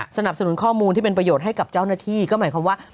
สนับสนุนข้อมูลที่เป็นประโยชน์ให้กับเจ้าหน้าที่ก็หมายความว่า